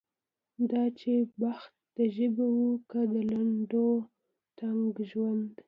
دا چې بخت د ژبې و که د لنډ و تنګ ژوند.